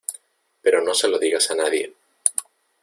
pero no se lo digas a nadie.